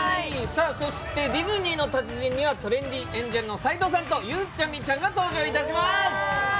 ディズニーの達人にはトレンディエンジェルの斎藤さんとゆうちゃみさんが登場します。